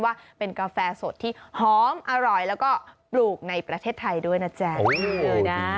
ว่าเป็นกาแฟสดที่หอมอร่อยแล้วก็ปลูกในประเทศไทยด้วยนะจ๊ะ